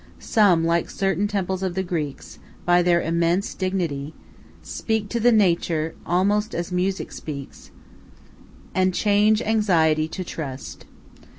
Some, like certain temples of the Greeks, by their immense dignity, speak to the nature almost as music speaks, and change anxiety to trust.